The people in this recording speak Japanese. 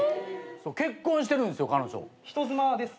結婚してるんすよ彼女。